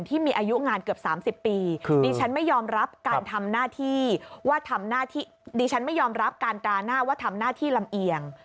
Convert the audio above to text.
ที่มีอายุงานเกือบ๓๐ปีดิฉันไม่ยอมรับการทำหน้าที่ลำเอียง